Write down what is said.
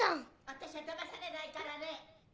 私はだまされないからね。